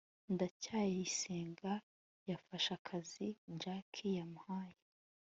ndacyayisenga yafashe akazi jaki yamuhaye